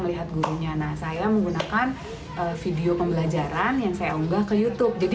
melihat gurunya nah saya menggunakan video pembelajaran yang saya unggah ke youtube jadi